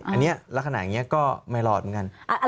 อันนี้ลักษณะอย่างนี้ก็ไม่รอดเหมือนกัน